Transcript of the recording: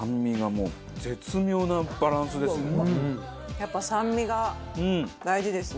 やっぱ酸味が大事ですね